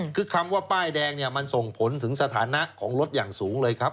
คือคำว่าป้ายแดงเนี่ยมันส่งผลถึงสถานะของรถอย่างสูงเลยครับ